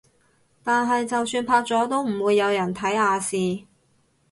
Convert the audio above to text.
但係就算拍咗都唔會有人睇亞視